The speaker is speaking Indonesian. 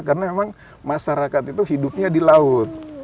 karena memang masyarakat itu hidupnya di laut